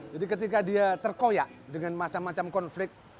jadi ketika dia terkoyak dengan macam macam konflik